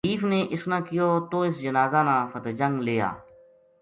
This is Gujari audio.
حنیف نے اس نا کہیو توہ اس جنازہ نا فتح جنگ لے آ